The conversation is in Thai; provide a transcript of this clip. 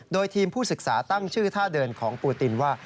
โดยทีมผู้ศึกษาตั้งชื่อท่าเดินของปูตินว่า